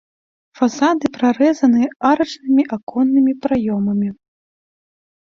Фасады прарэзаны арачнымі аконнымі праёмамі.